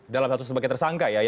dalam satu sebagai tersangka